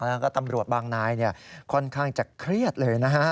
แล้วก็ตำรวจบางนายค่อนข้างจะเครียดเลยนะฮะ